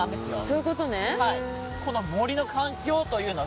そういうことね。